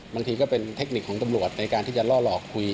บางทีก็เป็นเทคนิคของตำรวจในการที่จะล่อหลอกคุย